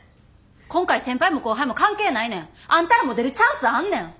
今回先輩も後輩も関係ないねん。あんたらも出るチャンスあんねん！